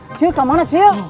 acil kemana acil